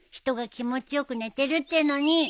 人が気持ち良く寝てるってのに。